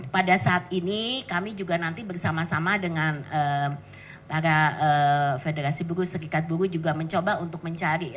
pada saat ini kami juga nanti bersama sama dengan para federasi buruh segikat buruh juga mencoba untuk mencari